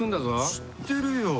知ってるよ。